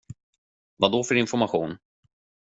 Vadå för information?